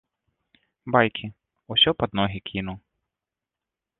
Байкі, усё пад ногі кіну.